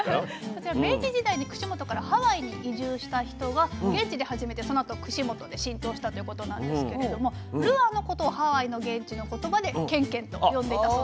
こちら明治時代に串本からハワイに移住した人が現地で始めてそのあと串本で浸透したということなんですけれどもルアーのことをハワイの現地の言葉で「ケンケン」と呼んでいたそうです。